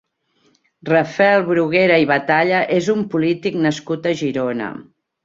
Rafel Bruguera i Batalla és un polític nascut a Girona.